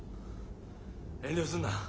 遠慮すんな。